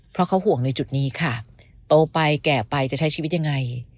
เพราะเขาห่วงในจุดนี้ค่ะโตไปแก่ไปจะใช้ชีวิตยังไง